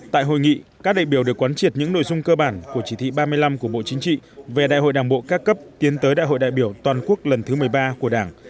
tại hội nghị các đại biểu được quán triệt những nội dung cơ bản của chỉ thị ba mươi năm của bộ chính trị về đại hội đảng bộ các cấp tiến tới đại hội đại biểu toàn quốc lần thứ một mươi ba của đảng